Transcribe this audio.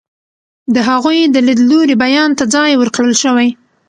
د هغوی د لیدلوري بیان ته ځای ورکړل شوی.